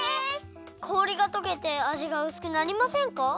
氷がとけてあじがうすくなりませんか？